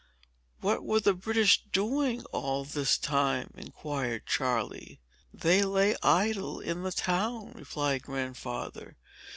"What were the British doing, all this time?" inquired Charley. "They lay idle in the town," replied Grandfather.